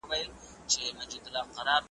زه اوږده وخت سپينکۍ پرېولم وم!؟